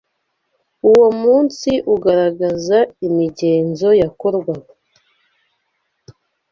Uwo munsi ugaragaza imigenzo yakorwaga